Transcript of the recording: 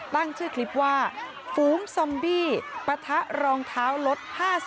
ตั้งชื่อคลิปว่าฝูงซอมบี้ปะทะรองเท้าลด๕๐